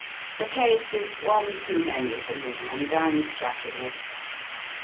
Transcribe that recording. The case is one too many for me, and I'm chucking it."